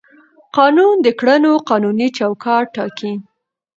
قانون د کړنو قانوني چوکاټ ټاکي.